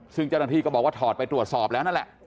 ซึ่งเจ้าหน้าที่ก็บอกว่าถอดไปตรวจสอบแล้วนั่นแหละ